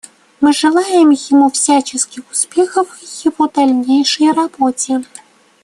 Мы желаем ему всяческих успехов в его дальнейшей работе.